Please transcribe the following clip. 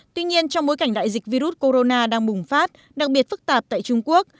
tuy nhiên trong bối cảnh đại dịch virus corona đang bùng phát đặc biệt phức tạp tại trung quốc